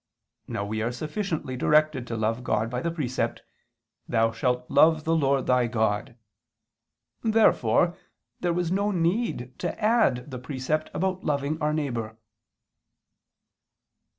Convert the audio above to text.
Now we are sufficiently directed to love God by the precept, "Thou shalt love the Lord thy God." Therefore there was no need to add the precept about loving our neighbor.